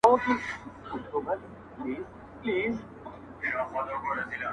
گلي هر وخــت مي پـر زړگــــــــي را اوري.